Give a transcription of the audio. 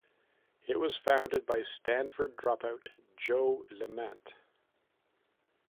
It was founded by Stanford dropout Joe Liemandt.